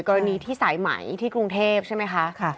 กรณีที่สายไหมที่กรุงเทพใช่ไหมคะ